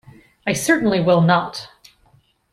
I certainly will not!